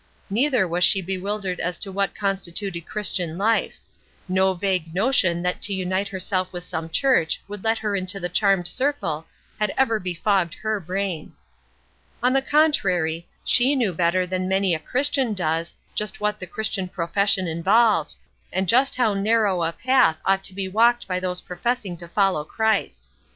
Neither was she bewildered as to what constituted Christian life. No vague notion that to unite herself with some church would let her into the charmed circle had ever befogged her brain. On the contrary, she knew better than many a Christian does just what the Christian profession involved, and just how narrow a path ought to be walked by those professing to follow Christ.